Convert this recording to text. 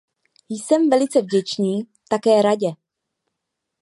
Jsem velice vděčný také Radě.